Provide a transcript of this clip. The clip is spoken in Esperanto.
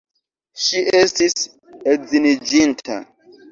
Ŝi estis edziniĝinta!